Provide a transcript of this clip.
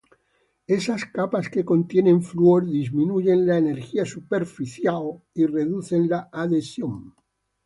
Esas capas que contienen flúor disminuyen la energía superficial y reducen la adhesión.